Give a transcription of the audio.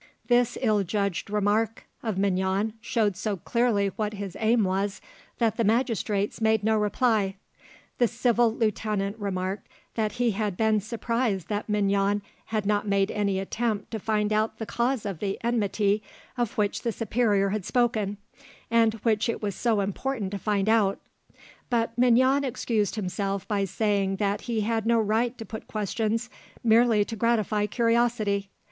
This ill judged remark of Mignon showed so clearly what his aim was that the magistrates made no reply. The civil lieutenant remarked that he had been surprised that Mignon had not made any attempt to find out the cause of the enmity of which the superior had spoken, and which it was so important to find out; but Mignon excused himself by saying that he had no right to put questions merely to gratify curiosity.